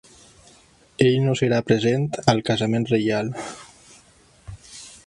Ell no serà present al casament reial.